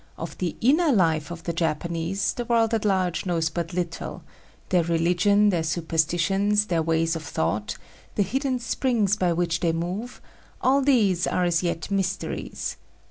Of the inner life of the Japanese the world at large knows but little: their religion, their superstitions, their ways of thought, the hidden springs by which they move all these are as yet mysteries.